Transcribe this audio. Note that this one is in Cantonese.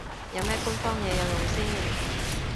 有咩官方嘢有用先